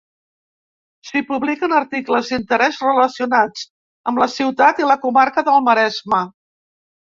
S'hi publiquen articles d'interès relacionats amb la ciutat i la comarca del Maresme.